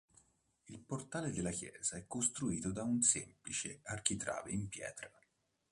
Il portale della chiesa è costituito da un semplice architrave in pietra.